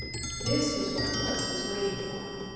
This was what Puss was waiting for.